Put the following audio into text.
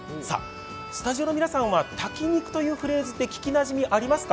スタジオの皆さんは炊き肉というフレーズ、聞きなじみありますか。